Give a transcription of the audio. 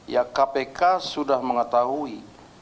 ya kpk sudah mengetahui